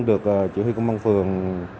được chỉ huy công an phường